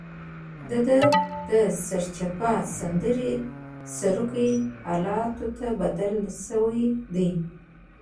دده د سرچپه سندرې سروکي حالاتو ته بدل شوي دي.